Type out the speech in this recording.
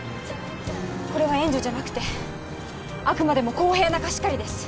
これは援助じゃなくてあくまでも公平な貸し借りです